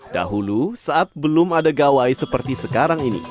dahulu saat belum ada gawai seperti sekarang ini